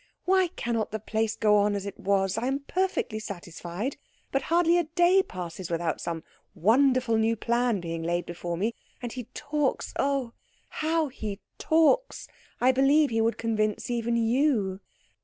Why cannot the place go on as it was? I am perfectly satisfied. But hardly a day passes without some wonderful new plan being laid before me, and he talks oh, how he talks! I believe he would convince even you."